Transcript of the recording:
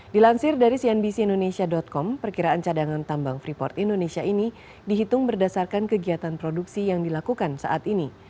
dilansir dari cnbc indonesia com perkiraan cadangan tambang freeport indonesia ini dihitung berdasarkan kegiatan produksi yang dilakukan saat ini